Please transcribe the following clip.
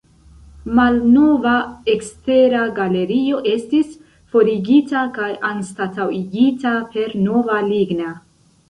Malnova ekstera galerio estis forigita kaj anstataŭigita per nova ligna.